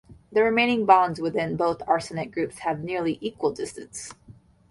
The remaining bonds within both arsenate groups have nearly equal distances.